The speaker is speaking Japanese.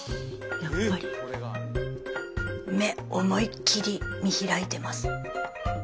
やっぱり目思いっきり見開いてます